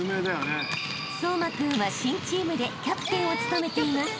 ［颯真君は新チームでキャプテンを務めています］